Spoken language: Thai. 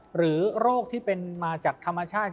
หรือโรคที่เป็นมาจากธรรมชาติ